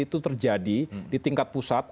itu terjadi di tingkat pusat